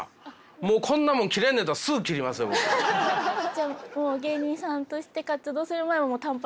じゃあもう芸人さんとして活動する前は短髪。